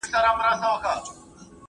د ښځې علاج پر خاوند فرض دی.